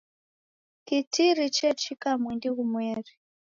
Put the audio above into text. Kitiri chechika mwindi ghumweri.